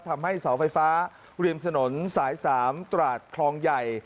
ทำให้เสาไฟฟ้าริมถนนสาย๓ตราดคลองใหญ่